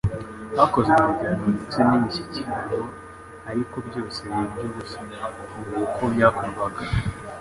Hakozwe ibiganiro ndetse n'imishyikirano, ariko byose biba iby'ubusa. Ibi uko byakorwaga,